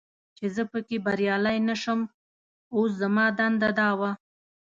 چې زه پکې بریالی نه شوم، اوس زما دنده دا وه.